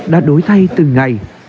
đã đổi thay từng ngày